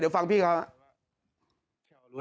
เดี๋ยวฟังพี่เขาครับ